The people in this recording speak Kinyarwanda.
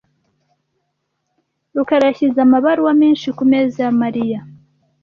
rukara yashyize amabaruwa menshi kumeza ya Mariya .